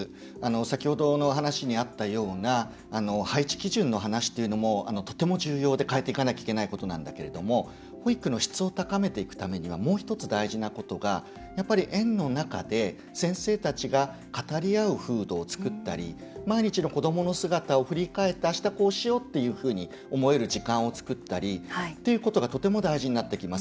先ほどの話にあったような配置基準の話っていうのもとても重要で変えていかなきゃいけないことなんだけれども保育の質を高めていくためにはもう一つ大事なことが園の中で先生たちが語り合う風土を作ったり毎日の子どもの姿を振り返ってあしたこうしようっていうふうに思える時間を作ったりっていうことがとても大事になってきます。